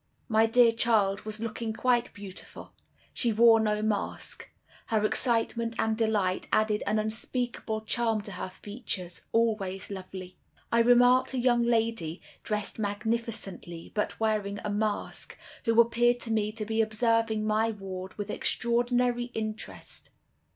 "My dear child was looking quite beautiful. She wore no mask. Her excitement and delight added an unspeakable charm to her features, always lovely. I remarked a young lady, dressed magnificently, but wearing a mask, who appeared to me to be observing my ward with extraordinary interest.